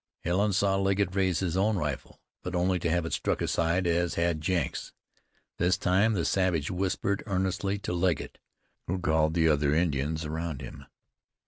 Helen saw Legget raise his own rifle, but only to have it struck aside as had Jenks's. This time the savage whispered earnestly to Legget, who called the other Indians around him.